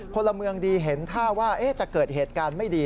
พลเมืองดีเห็นท่าว่าจะเกิดเหตุการณ์ไม่ดี